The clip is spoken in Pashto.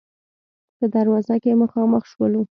په دروازه کې مخامخ شولو.